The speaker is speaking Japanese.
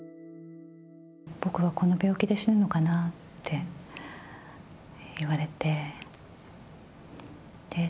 僕はこの病気で死ぬのかなって言われて。